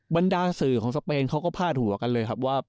บรรดาสื่อของสเปนเขาก็พาดหัวกันเลยครับว่า